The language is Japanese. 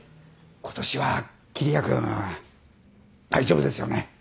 今年は桐矢君大丈夫ですよね？